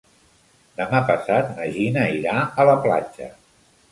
Demà passat na Gina irà a la platja.